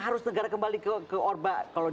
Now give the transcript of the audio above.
harus negara kembali ke orba kalau